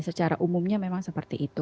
secara umumnya memang seperti itu